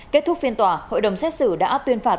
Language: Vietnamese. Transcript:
kết thúc phiên tòa hội đồng xét xử đã tuyên phạt